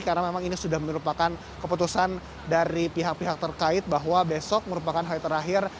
karena memang ini sudah merupakan keputusan dari pihak pihak terkait bahwa besok merupakan hari terakhir